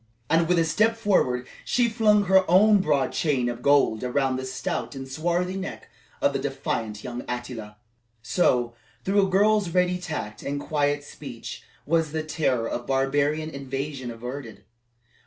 And, with a step forward, she flung her own broad chain of gold around the stout and swarthy neck of the defiant young Attila. So, through a girl's ready tact and quiet speech, was the terror of barbarian invasion averted.